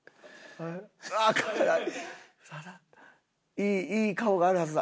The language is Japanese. いいいい顔があるはずだ。